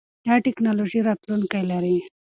دا ټکنالوژي راتلونکی لري.